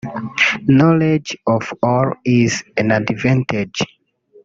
knowledge of all is an advantage